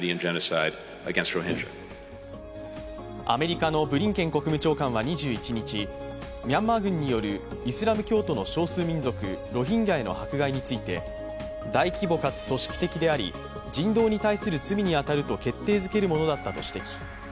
アメリカのブリンケン国務長官は２１日ミャンマー軍によるイスラム教徒の少数民族ロヒンギャへの迫害について大規模かつ組織的であり、人道に対する罪に当たると決定づけるものだったと指摘